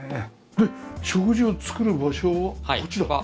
で食事を作る場所はこっちだ。